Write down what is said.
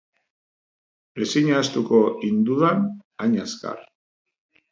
Ezin ahaztuko hindudan hain azkar.